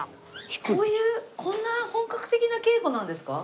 こういうこんな本格的な稽古なんですか？